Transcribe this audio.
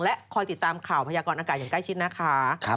และคอยติดตามข่าวพยากรอากาศอย่างใกล้ชิดนะคะ